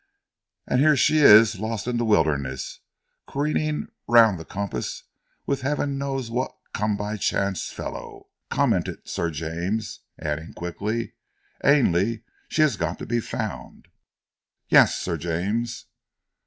"And here she is, lost in the wilderness, careering round the compass with heaven knows what come by chance fellow!" commented Sir James, adding quickly, "Ainley, she has got to be found!" "Yes, Sir James!"